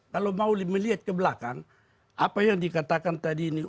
kalau mau melihat ke belakang apa yang dikatakan tadi ini